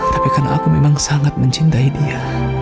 tapi karena aku memang sangat mencintai dia